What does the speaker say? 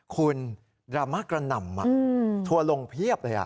คุณดรามะกระหน่ำอ่ะถั่วลงเพียบเลยอ่ะ